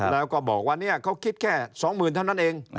แล้วก็บอกว่าเนี่ยเขาคิดแค่สองหมื่นเท่านั้นเอง